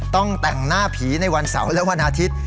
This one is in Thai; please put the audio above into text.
ต้องแต่งหน้าผีในวันเสาร์และวันอาทิตย์